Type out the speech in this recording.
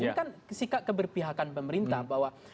ini kan sikap keberpihakan pemerintah bahwa